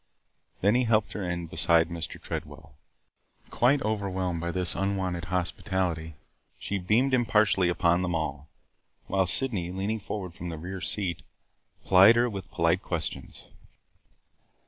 Then he helped her in beside Mr. Tredwell. Quite overwhelmed by this unwonted hospitality, she beamed impartially upon them all, while Sydney, leaning forward from the rear seat, plied her with polite questions.